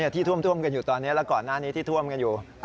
ที่ท่วมกันอยู่ตอนนี้และก่อนหน้านี้ที่ท่วมกันอยู่